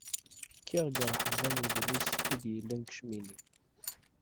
Kkiɣ deg rreḥba n udlis i d-yellan deg Cmini.